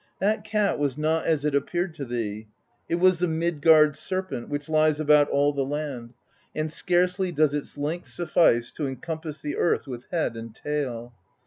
That cat was not as it appeared to thee: it was the Midgard Serpent, which lies about all the land, and scarcely does its length suffice to encompass the earth with head and tail.